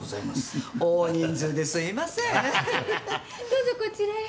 どうぞこちらへ。